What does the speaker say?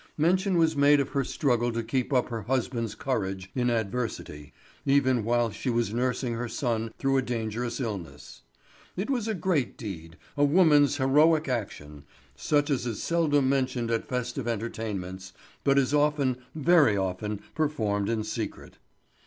Mention was made of her struggle to keep up her husband's courage in adversity, even while she was nursing her son through a dangerous illness. It was a great deed, a woman's heroic action, such as is seldom mentioned at festive entertainments, but is often, very often performed in secret.